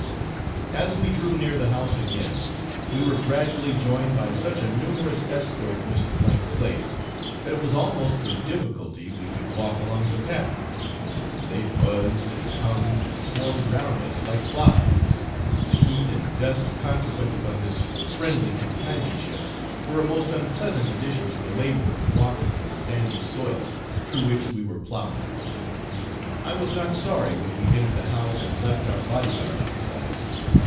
As we drew near the house again we were gradually joined by such a numerous escort of Mr. 's slaves that it was almost with difficulty we could walk along the path. They buzzed, and hummed, and swarmed round us like flies, and the heat and dust consequent upon this friendly companionship were a most unpleasant addition to the labour of walking in the sandy soil through which we were ploughing. I was not sorry when we entered the house and left our bodyguard outside.